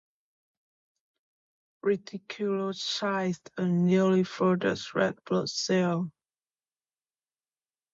Reticulocytes are newly produced red blood cells.